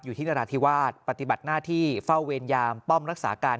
นราธิวาสปฏิบัติหน้าที่เฝ้าเวรยามป้อมรักษาการ